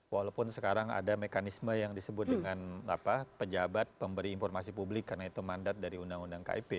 walaupun sekarang ada mekanisme yang disebut dengan pejabat pemberi informasi publik karena itu mandat dari undang undang kip